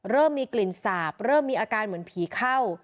เริ่มมีกลิ่นสาบเริ่มมีอาการเหมือนผีเข้า